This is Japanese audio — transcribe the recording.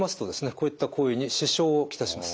こういった行為に支障を来します。